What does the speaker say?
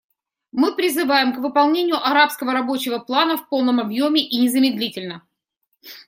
Мы призываем к выполнению арабского рабочего плана в полном объеме и незамедлительно.